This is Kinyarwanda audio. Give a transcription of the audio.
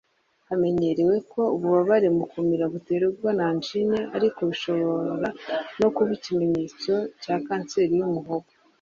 Hamenyerewe ko ububabare mu kumira buterwa na angine ariko bishobora no kuba ikimenyetso cya kanseri y’umuhogo